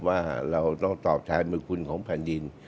ว่าเราต้องตอบแทนบุญคุณของแผ่นดิน